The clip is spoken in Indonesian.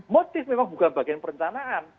motif memang bukan bagian perencanaan